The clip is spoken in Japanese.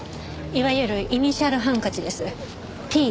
いわゆるイニシャルハンカチです。